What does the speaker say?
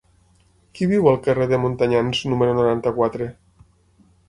Qui viu al carrer de Montanyans número noranta-quatre?